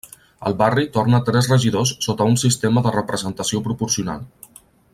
El barri torna tres regidors sota un sistema de representació proporcional.